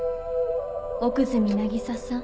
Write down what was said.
奥泉渚さん。